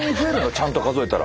ちゃんと数えたら。